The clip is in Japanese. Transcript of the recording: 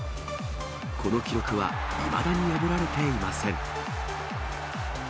この記録はいまだに破られていません。